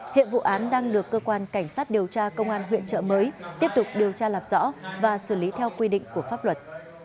hiện vụ án đang được cơ quan cảnh sát điều tra công an huyện trợ mới tiếp tục điều tra lạp rõ và xử lý theo quy định của pháp luật